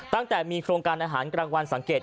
ตั้งแต่มีโครงการอาหารกลางวันสังเกต